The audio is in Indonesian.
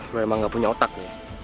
lo emang gak punya otak ya